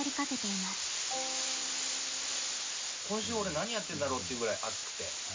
今週俺何やってんだろうっていうぐらい熱くて。